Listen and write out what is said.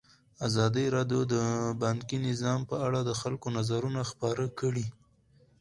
ازادي راډیو د بانکي نظام په اړه د خلکو نظرونه خپاره کړي.